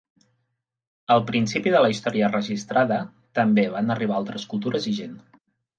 Al principi de la història registrada, també van arribar altres cultures i gent.